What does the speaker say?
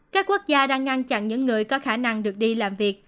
các quốc gia đang ngăn chặn những người có khả năng được đi làm việc